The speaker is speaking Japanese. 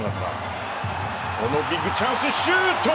このビッグチャンス、シュート！